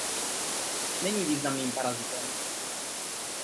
Není významným parazitem.